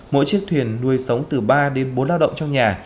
mỗi chiếc thuyền nuôi sống từ ba đến bốn lao động trong nhà